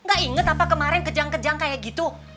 gak inget apa kemarin kejang kejang kayak gitu